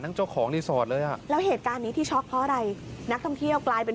และนี่เมื่อกี้ได้ยินเสียงบ้าง